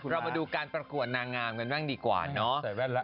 เรามาดูการประกวดนางงามกันบ้างดีกว่าเนาะ